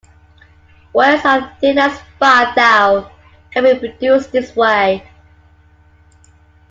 Wires as thin as five thou can be produced this way.